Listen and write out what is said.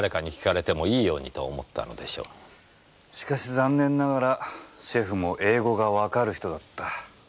しかし残念ながらシェフも英語がわかる人だった。